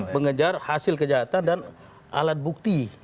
mengejar hasil kejahatan dan alat bukti